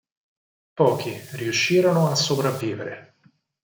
Pochi riuscirono a sopravvivere.